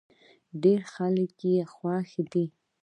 ډېری خلک يې خوښ دی.